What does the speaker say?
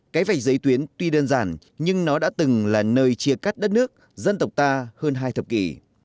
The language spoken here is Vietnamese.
cái vạch giấy tuyến tuy đơn giản nhưng nó đã từng là nơi chia cắt đất nước dân tộc ta hơn hai thập kỷ